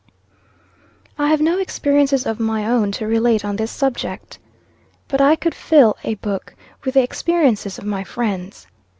I HAVE no experiences of my own to relate on this subject. But I could fill a book with the experiences of my friends.